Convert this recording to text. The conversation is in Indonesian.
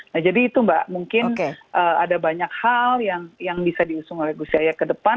nah jadi itu mbak mungkin ada banyak hal yang bisa diusung oleh gus yahya ke depan